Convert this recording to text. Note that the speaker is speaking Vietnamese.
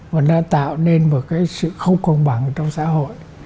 và nó tạo nên một cái sự không công bằng trong xã hội